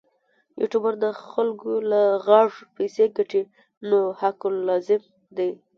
یوټوبر د خلکو له غږ پیسې ګټي نو حق لازم دی.